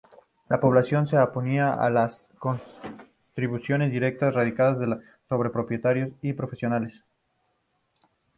La población se oponían a las contribuciones directas recaídas sobre propietarios y profesionales.